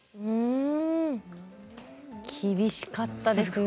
厳しかったですね。